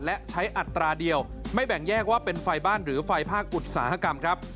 และใช้อัตราเดียวไม่แบ่งแยกว่าเป็นไฟบ้านหรือไฟภาคอุตสาหกรรมครับ